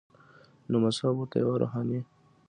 نو مذهب ورته یوه روحاني